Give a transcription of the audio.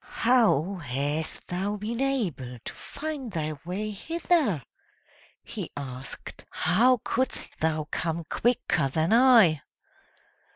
"How hast thou been able to find thy way hither?" he asked. "How couldst thou come quicker than I?"